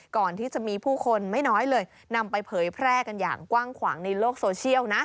ก่อนที่จะมีผู้คนไม่น้อยเลยนำไปเผยแพร่กันอย่างกว้างขวางในโลกโซเชียลนะ